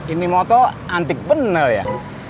ini motor antik bener ya